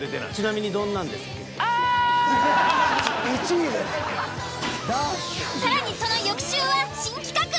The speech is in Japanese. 次週は更にその翌週は新企画。